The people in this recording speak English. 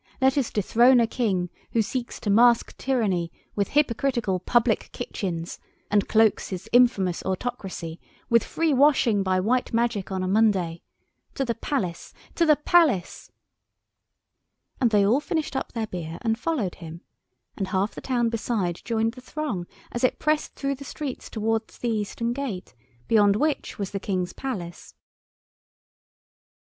Let us dethrone a king who seeks to mask tyranny with hypocritical public kitchens, and cloaks his infamous autocracy with free washing by white magic on a Monday! To the Palace, to the Palace!" And they all finished up their beer and followed him, and half the town beside joined the throng as it pressed through the streets towards the Eastern gate, beyond which was the King's Palace.